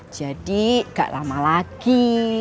jadi gak lama lagi